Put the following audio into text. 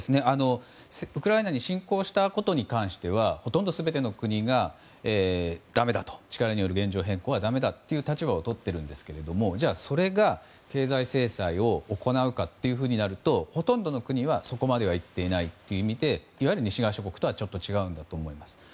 ウクライナに侵攻したことに関してはほとんど全ての国が力による現状変更はだめだという立場をとっていますがそれが経済制裁を行うかとなるとほとんどの国はそこまでいっていないとしていわゆる西側諸国とは違うんだと思います。